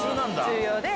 重要で。